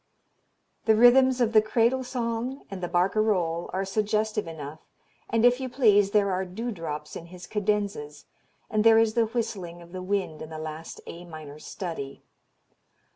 The rhythms of the Cradle Song and the Barcarolle are suggestive enough and if you please there are dew drops in his cadenzas and there is the whistling of the wind in the last A minor Study.